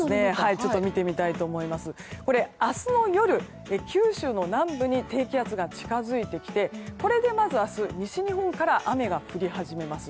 明日の夜、九州の南部に低気圧が近づいてきてまず、明日西日本から雨が降り始めます。